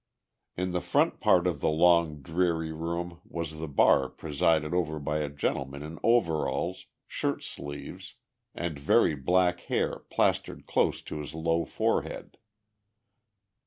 In the front part of the long, dreary room was the bar presided over by a gentleman in overalls, shirt sleeves and very black hair plastered close to his low forehead.